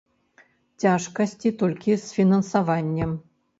Цяжкасці толькі з фінансаваннем.